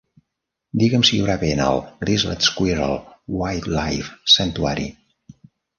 Digue'm si hi haurà vent al Grizzled Squirrel Wildlife Sanctuary...